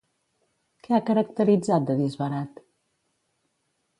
Què ha caracteritzat de disbarat?